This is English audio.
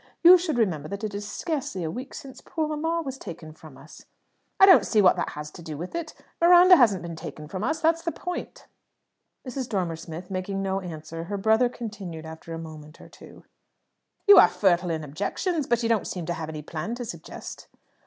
You should remember that it is scarcely a week since poor mamma was taken from us." "I don't see what that has to do with it. Miranda hasn't been taken from us; that's the point." Mrs. Dormer Smith making no answer, her brother continued, after a moment or two "You are fertile in objections, but you don't seem to have any plan to suggest."